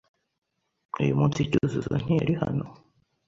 Uyu munsi Cyuzuzo ntiyari hano?